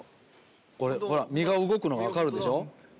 これほら身が動くのが分かるでしょ。